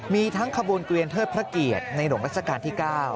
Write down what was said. มีทั้งขบวนเกวียนเทิดพระเกียรติในหลวงรัชกาลที่๙